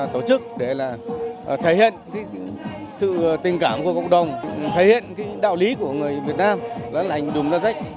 tổ chức để là thể hiện sự tình cảm của cộng đồng thể hiện cái đạo lý của người việt nam là lành đùm ra rách